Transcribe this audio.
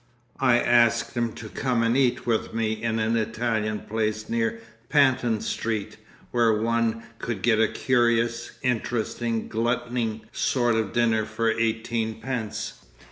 I asked him to come and eat with me in an Italian place near Panton Street where one could get a curious, interesting, glutting sort of dinner for eighteen pence.